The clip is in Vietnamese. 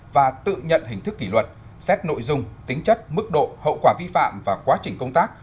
và tự nhận hình thức kỷ luật xét nội dung tính chất mức độ hậu quả vi phạm và quá trình công tác